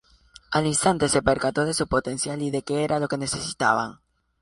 Al instante se percató de su potencial y de que era lo que necesitaban.